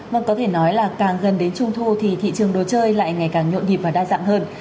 vâng có thể nói là càng gần đến trung thu thì thị trường đồ chơi lại ngày càng nhộn nhịp và đa dạng hơn